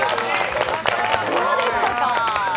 どうでしたか？